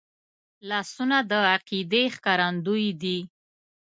لاسونه د عقیدې ښکارندوی دي